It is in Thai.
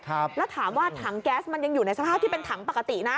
แล้วถามว่าถังแก๊สมันยังอยู่ในสภาพที่เป็นถังปกตินะ